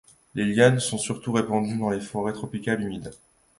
Les lianes sont surtout répandues dans les forêts tropicales humides.